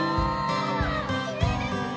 きれいですね！